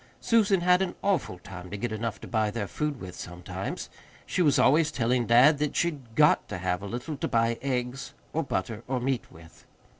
Susan had an awful time to get enough to buy their food with sometimes. She was always telling dad that she'd GOT to have a little to buy eggs or butter or meat with.